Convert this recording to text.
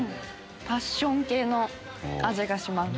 パッション系の味がします。